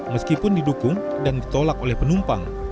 meskipun didukung dan ditolak oleh penumpang